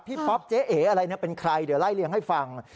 ป๊อปเจ๊เอ๋อะไรเป็นใครเดี๋ยวไล่เลี้ยงให้ฟัง